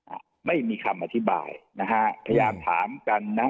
อ่าไม่มีคำอธิบายนะฮะพยายามถามกันนะ